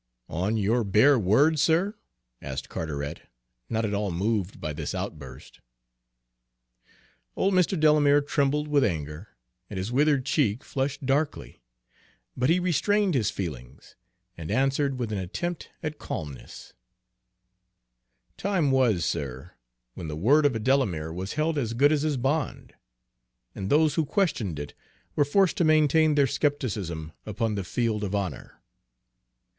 "On your bare word, sir?" asked Carteret, not at all moved by this outburst. Old Mr. Delamere trembled with anger, and his withered cheek flushed darkly, but he restrained his feelings, and answered with an attempt at calmness: "Time was, sir, when the word of a Delamere was held as good as his bond, and those who questioned it were forced to maintain their skepticism upon the field of honor.